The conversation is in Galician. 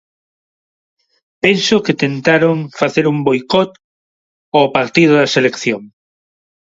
Penso que tentaron facer un boicot ao partido da selección.